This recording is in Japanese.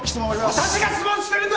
私が質問してるんだ！